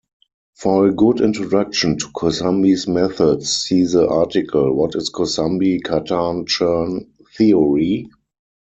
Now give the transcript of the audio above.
For a good introduction to Kosambi's methods, see the article, What is Kosambi-Cartan-Chern theory?